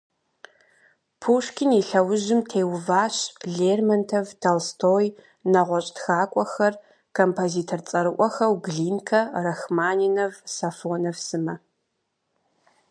Пушкин и лъэужьым теуващ Лермонтов, Толстой, нэгъуэщӀ тхакӀуэхэр, композитор цӀэрыӀуэхэу Глинкэ, Рахманинов, Сафонов сымэ.